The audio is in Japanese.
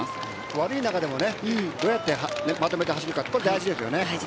悪い中でもどうやってまとめて走るかが大事です。